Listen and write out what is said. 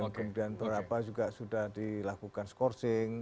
kemudian berapa juga sudah dilakukan scourcing